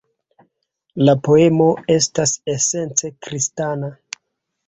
La poemo estas esence kristana.